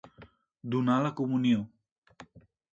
Donar la comunió.